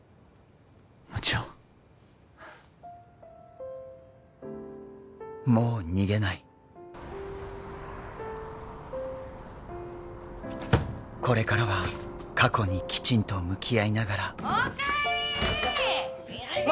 もちろんもう逃げないこれからは過去にきちんと向き合いながらお帰りよいしょ